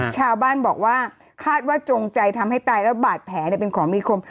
ชาวบ้านบอกว่าคาดว่าจงใจทำให้ตายแล้วบาดแผลเป็นของมีคม